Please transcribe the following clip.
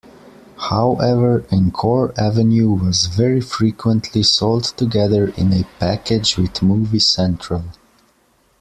However, Encore Avenue was very frequently sold together in a package with Movie Central.